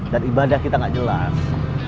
dan ibadah kita gak jelas